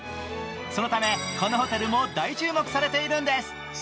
そのためこのホテルも大注目されているんです